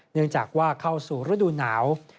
เนื่องจากว่าเข้าสู่ฤดูหนาว